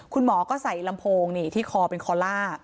คุณหมอก็ใส่ลำโพงนี่ที่คอเป็นคอลล่า